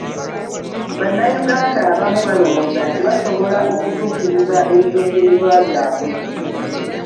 Bannayuganda abamu balowooza nti basobola okutuukiriza ebigendererwa byabwe.